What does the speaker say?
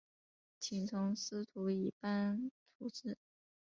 请从司徒以班徙次。